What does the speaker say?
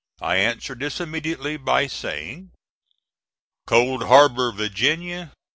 I answered this immediately by saying: COLD HARBOR, VA.